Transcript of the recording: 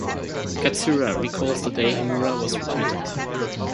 Katsura recalls the day Himura was recruited.